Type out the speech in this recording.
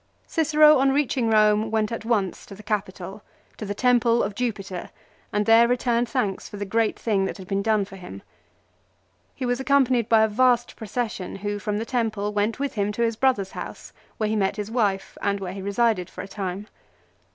Cicero on reaching Eome went at once to the Capitol, to the Temple of Jupiter, and there returned thanks for the great thing that had been done for him. He was accompanied by a vast procession who from the temple went with him to his brother's house, where he met his wife, and where he resided for a time.